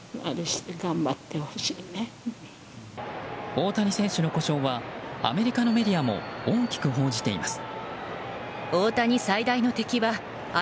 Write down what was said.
大谷選手の故障はアメリカのメディアも大きく報じています。